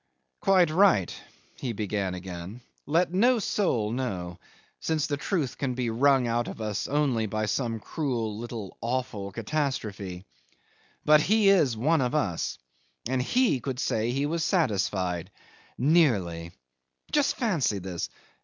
'Quite right,' he began again. 'Let no soul know, since the truth can be wrung out of us only by some cruel, little, awful catastrophe. But he is one of us, and he could say he was satisfied ... nearly. Just fancy this!